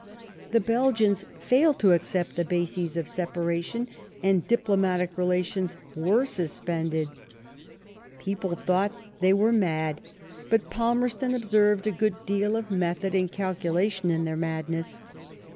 The Belgians failed to accept the bases of separation, and diplomatic relations were suspended. People thought they were mad, but Palmerston observed a good deal of method and calculation in their madness.